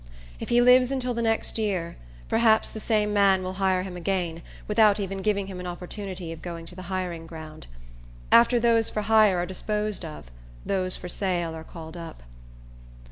If he lives until the next year, perhaps the same man will hire him again, without even giving him an opportunity of going to the hiring ground. After those for hire are disposed of, those for sale are called up.